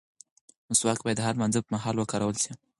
مسواک باید د هر لمانځه پر مهال وکارول شي.